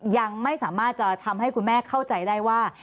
ยังไม่สามารถจะทำให้คุณแม่เข้าใจได้ว่า